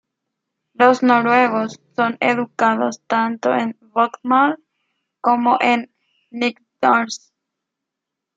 Los noruegos son educados tanto en "bokmål" como en "nynorsk".